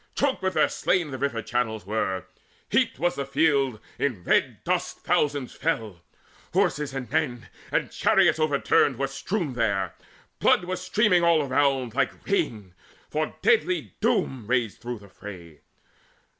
Choked with their slain the river channels were, Heaped was the field; in red dust thousands fell, Horses and men; and chariots overturned Were strewn there: blood was streaming all around Like rain, for deadly Doom raged through the fray.